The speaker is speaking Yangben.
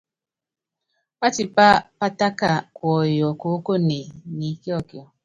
Pátipá pátaka kuɔyɔ koókone ni íkiɔkiɔ.